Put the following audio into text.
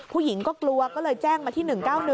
ผู้หญิงก็กลัวก็เลยแจ้งมาที่๑๙๑